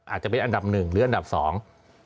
อาจจะเป็นอันดับหนึ่งหรืออันดับสอง